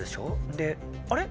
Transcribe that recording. であれ？